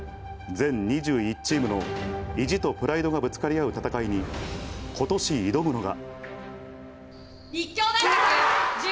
全２１チームの意地とプライドがぶつかり合う戦いにことし挑むのが。